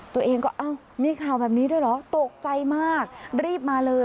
ตัวเองก็มีข่าวแบบนี้ด้วยเหรอตกใจมากรีบมาเลย